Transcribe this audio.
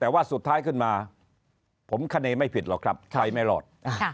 แต่ว่าสุดท้ายขึ้นมาผมคะเนยไม่ผิดหรอกครับไปไม่รอด